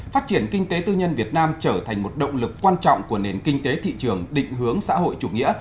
phát triển kinh tế tư nhân việt nam trở thành một động lực quan trọng của nền kinh tế thị trường định hướng xã hội chủ nghĩa